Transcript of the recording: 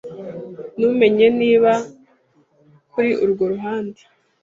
Ntumenye niba ndeba 'kuri urwo ruhande